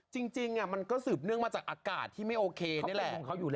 จริงน่ะมันก็สืบเนื่องมาจากอากาศที่ไม่โอเคได้เลย